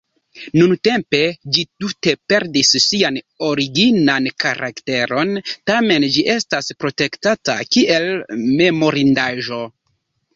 Nuntempe ĝi tute perdis sian originan karakteron, tamen ĝi estas protektata kiel memorindaĵo.